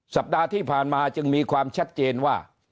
สัปดาห์ที่ผ่านมาจึงมีความชัดเจนว่า